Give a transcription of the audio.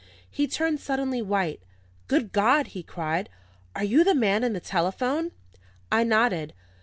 He turned suddenly white. "Good God!" he cried, "are you the man in the telephone?" I nodded.